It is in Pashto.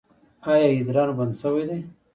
ایا ادرار مو بند شوی دی؟